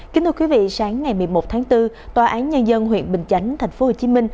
kính thưa quý vị sáng ngày một mươi một tháng bốn tòa án nhân dân huyện bình chánh tp hcm